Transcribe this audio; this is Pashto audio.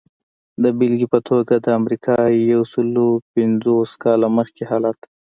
د بېلګې په توګه د امریکا یو سلو پنځوس کاله مخکې حالت.